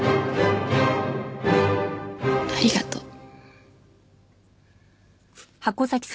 ありがとう。